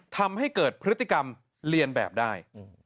ทำให้เกิดพฤติกรรมเรียนแบบได้